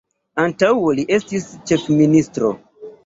Antaŭe li estis ĉefministro.